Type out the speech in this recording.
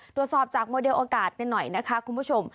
ตรวจสอบจากโมเดลอากาศกันหน่อยนะคะคุณผู้ชม